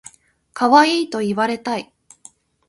かわいいと言われたい